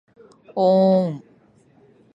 おーん